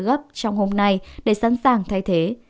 gấp trong hôm nay để sẵn sàng thay thế